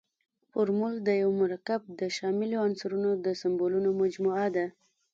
فورمول د یوه مرکب د شاملو عنصرونو د سمبولونو مجموعه ده.